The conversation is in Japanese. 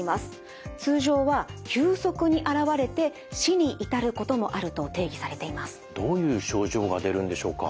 通常はどういう症状が出るんでしょうか？